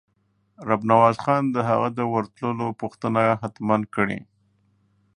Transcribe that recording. رب نواز خان د هغه د ورتلو پوښتنه حتماً کړې.